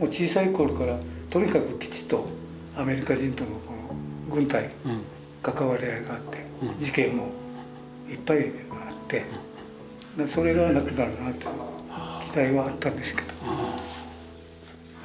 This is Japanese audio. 小さい頃からとにかく基地とアメリカ人との軍隊関わり合いがあって事件もいっぱいあってそれがなくなるかなという期待はあったんですけど。